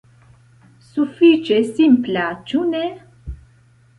Sufiĉe simpla, ĉu ne?